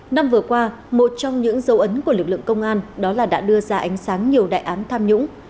năm vừa qua một trong những dấu ấn của lực lượng công an đó là đã đưa ra ánh sáng nhiều đại án tham nhũng